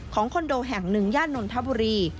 ของคอนโดแห่ง๑ย่านนทบุรี